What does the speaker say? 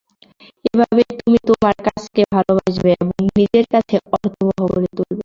এভাবেই তুমি তোমার কাজকে ভালোবাসবে এবং নিজের কাছে অর্থবহ করে তুলবে।